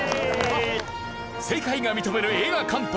世界が認める映画監督